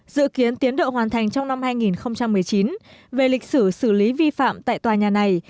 dự kiến tiến độ hoàn thành trong năm hai nghìn một mươi chín về lịch sử xử lý vi phạm tại tòa nhà này